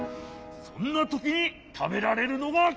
そんなときにたべられるのがこれ！